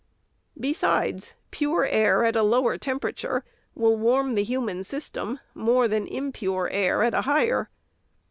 Besides, pure air at a lower temperature will warm the human system more than im pure air at a higher.